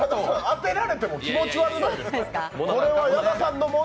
当てられても気持ち悪くないですか？